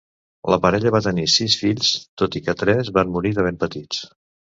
La parella va tenir sis fills, tot i que tres van morir de ben petits.